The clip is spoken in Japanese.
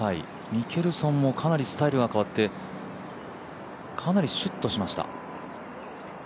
ミケルソンもかなりスタイルが変わって、かなりシュッとしました。